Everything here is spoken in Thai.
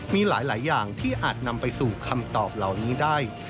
มีหลายอย่างที่อาจนำไปสู่คำตอบเหล่านี้ได้